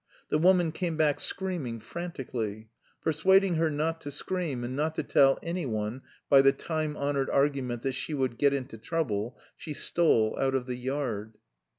The woman came back screaming frantically. Persuading her not to scream and not to tell anyone by the time honoured argument that "she would get into trouble," she stole out of the yard.